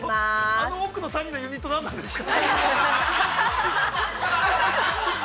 ◆あの奥の３人のユニット、何なんですか。